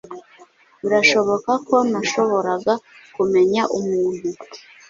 birashoboka ko nashoboraga kumenya umuntu